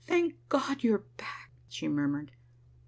Thank God! you are back," she murmured.